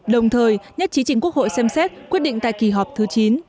đồng thời nhất trí trình quốc hội xem xét quyết định tại kỳ họp thứ chín